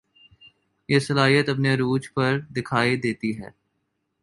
یہ صلاحیت اپنے عروج پر دکھائی دیتی ہے